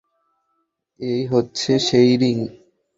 এই হচ্ছে সেই রিং।